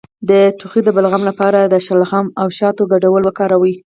د ټوخي د بلغم لپاره د شلغم او شاتو ګډول وکاروئ